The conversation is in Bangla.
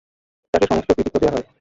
তাকে সমস্ত কৃতিত্ব দেয়া হয়।